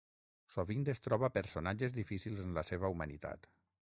Sovint es troba personatges difícils en la seva humanitat.